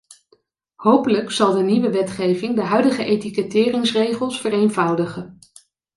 Hopelijk zal de nieuwe wetgeving de huidige etiketteringsregels vereenvoudigen.